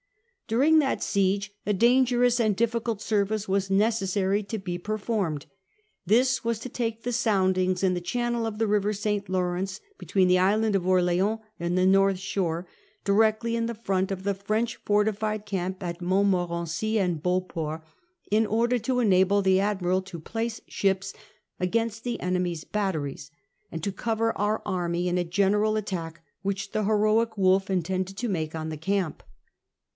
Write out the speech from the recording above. During that siege a dangerous and difficult service was neces sary to be performed. This was to take the soundings in the channel (>f the river St Lawrence, between the island of Orleans and the north shore, directly in the fioiit of the French fortified camp at Montmoi*cncy and Beauport, in opler to enable the admiral to place ships against the enemy *s batteries, ami to cover oiir army in a general attack which the heroic Wolfe intended to make on the (ram]).